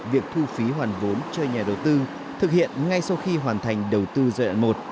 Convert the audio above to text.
việc thu phí hoàn vốn cho nhà đầu tư thực hiện ngay sau khi hoàn thành đầu tư giai đoạn một